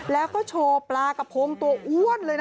แล้วก็โชว์ปลากระพงตัวอ้วนเลยนะ